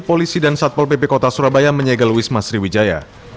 polisi dan satpol pp kota surabaya menyegel wisma sriwijaya